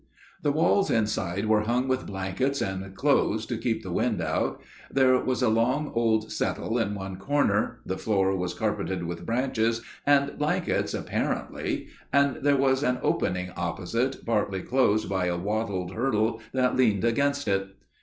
"The walls inside were hung with blankets and clothes to keep the wind out; there was a long old settle in one corner, the floor was carpeted with branches and blankets apparently, and there was an opening opposite, partly closed by a wattled hurdle that leaned against it.